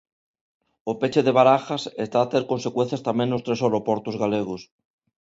O peche de Barajas está a ter consecuencias tamén nos tres aeroportos galegos.